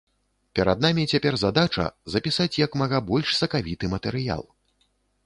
Перад намі цяпер задача, запісаць як мага больш сакавіты матэрыял.